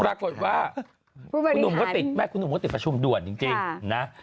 ปรากฏว่าคุณหนุ่มก็ติดแม่คุณหนุ่มก็ติดประชุมด่วนจริงนะ